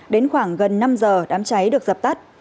đến khoảng gần năm giờ đám cháy được dập tắt